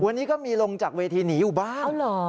วันนี้ก็มีลงจากเวทีหนีอยู่บ้าง